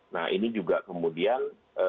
nah ini juga kemudian